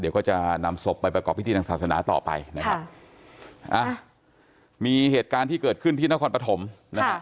เดี๋ยวก็จะนำศพไปประกอบพิธีทางศาสนาต่อไปนะครับอ่ะมีเหตุการณ์ที่เกิดขึ้นที่นครปฐมนะฮะ